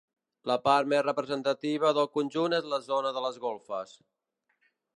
La part més representativa del conjunt és la zona de les golfes.